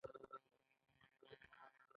د پانګې زیاتوالی یوازې د استثمار پایله ده